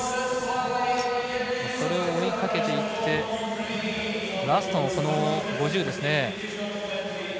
それを追いかけていってラストの５０ですね。